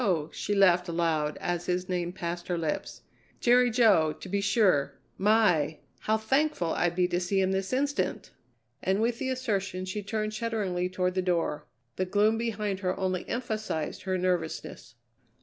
she laughed aloud as his name passed her lips. "Jerry Jo, to be sure. My! how thankful I'd be to see him this instant!" And with the assertion she turned shudderingly toward the door. The gloom behind her only emphasized her nervousness.